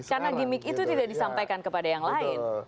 karena gimmick itu tidak disampaikan kepada yang lain